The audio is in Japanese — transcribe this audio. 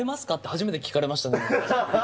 初めて聞かれましたね。